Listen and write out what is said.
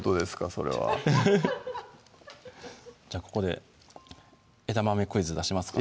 それはじゃあここで枝豆クイズ出しますか？